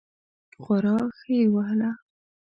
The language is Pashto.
خورا ښه یې وهله.